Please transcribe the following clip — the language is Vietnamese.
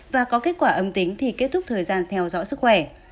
và có kết quả âm tính thì kết thúc thời gian theo dõi sức khỏe